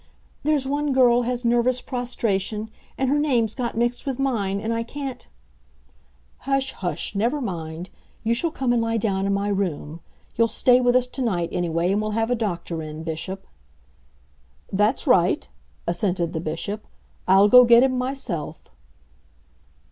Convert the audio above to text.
There's one girl has nervous prostration, and her name's got mixed with mine, and I can't " "Hush, hush! Never mind. You shall come and lie down in my room. You'll stay with us to night, anyway, and we'll have a doctor in, Bishop." "That's right," assented the Bishop. "I'll go get him myself."